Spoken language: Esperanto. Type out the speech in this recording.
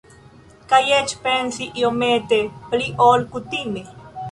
Kaj eĉ pensi iomete pli ol kutime.